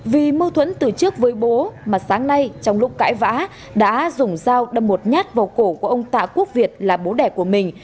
vì mâu thuẫn từ trước với bố mà sáng nay trong lúc cãi vã đã dùng dao đâm một nhát vào cổ của ông tạ quốc việt là bố đẻ của mình